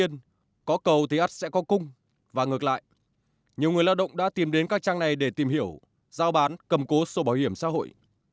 nhiều người lao động đã tìm đến các trang này để tìm hiểu giao bán cầm cố sổ bảo hiểm xã hội